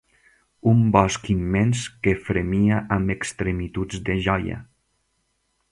Un bosc immens que fremia amb extremituds de joia.